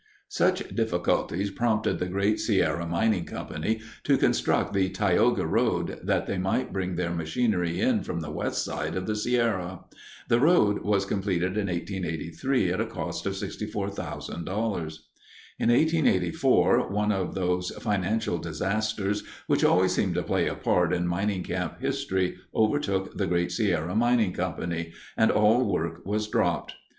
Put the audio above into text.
Such difficulties prompted the Great Sierra Mining Company to construct the Tioga Road, that they might bring their machinery in from the west side of the Sierra. The road was completed in 1883 at a cost of $64,000. In 1884, one of those "financial disasters" which always seem to play a part in mining camp history overtook the Great Sierra Mining Company, and all work was dropped.